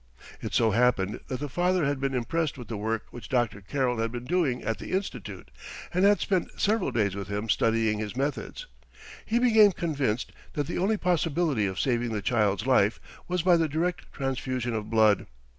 "It so happened that the father had been impressed with the work which Dr. Carrel had been doing at the Institute, and had spent several days with him studying his methods. He became convinced that the only possibility of saving the child's life was by the direct transfusion of blood.